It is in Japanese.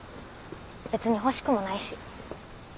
別に欲しくもないし。